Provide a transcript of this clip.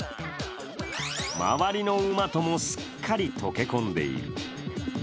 周りの馬とも、すっかり溶け込んでいる。